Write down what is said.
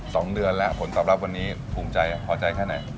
สองเดือนแล้วผลตอบรับวันนี้ภูมิใจพอใจแค่ไหน